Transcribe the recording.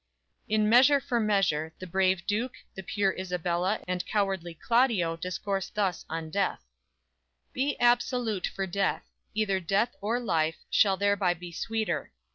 "_ In "Measure for Measure" the brave Duke, the pure Isabella and cowardly Claudio discourse thus on death: _"Be absolute for death; either death or life, Shall thereby be sweeter.